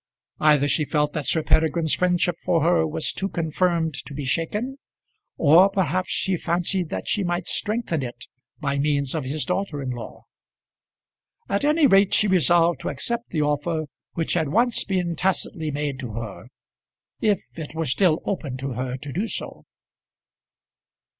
Either she felt that Sir Peregrine's friendship for her was too confirmed to be shaken, or perhaps she fancied that she might strengthen it by means of his daughter in law. At any rate she resolved to accept the offer which had once been tacitly made to her, if it were still open to her to do so.